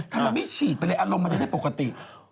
ทำไมไม่ฉีดไปเลยอารมณ์มันจะได้ปกติ